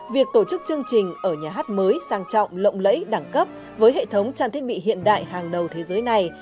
việc tổ chức chương trình ở nhà hát mới sang trọng lộng lẫy đẳng cấp với hệ thống trang thiết bị hiện đại hàng đầu thế giới này